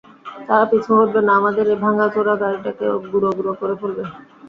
তারা পিছু হটবে না, আমাদের এই ভাঙাচোরা গাড়িটাকে গুড়ো গুড়ো করে ফেলবে!